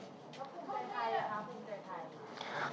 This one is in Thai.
แล้วคุณเจยไทยหรือคราวคุณเจยไทย